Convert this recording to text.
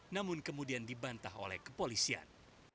namun kemudian dibantah oleh kepolisian